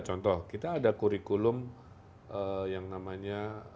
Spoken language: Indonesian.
contoh kita ada kurikulum yang namanya